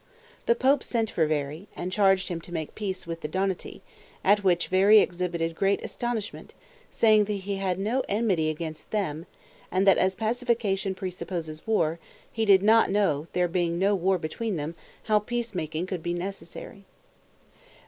The pope sent for Veri, and charged him to make peace with the Donati, at which Veri exhibited great astonishment, saying that he had no enmity against them, and that as pacification presupposes war, he did not know, there being no war between them, how peacemaking could be necessary.